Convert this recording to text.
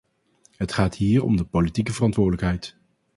Het gaat hier om de politieke verantwoordelijkheid.